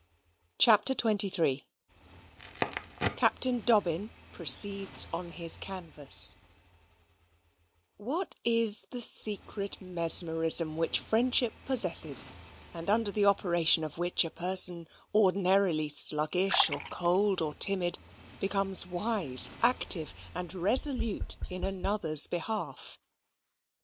CHAPTER XXIII Captain Dobbin Proceeds on His Canvass What is the secret mesmerism which friendship possesses, and under the operation of which a person ordinarily sluggish, or cold, or timid, becomes wise, active, and resolute, in another's behalf?